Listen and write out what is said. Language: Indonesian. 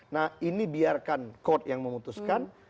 nah ini biarkan code yang memutuskan